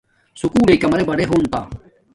سکُول لݵ کمرے بڑے ہونتا